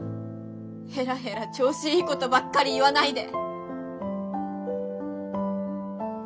ヘラヘラ調子いいことばっかり言わないで。